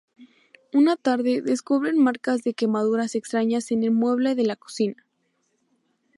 Una tarde, descubren marcas de quemaduras extrañas en el mueble de la cocina.